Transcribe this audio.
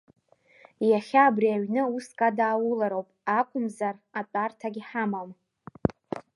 Иахьа абри аҩны уск адааулароуп акәымзар, атәарҭагь ҳамам!